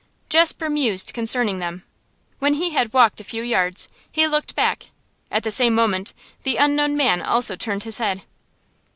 Jasper mused concerning them. When he had walked a few yards, he looked back; at the same moment the unknown man also turned his head.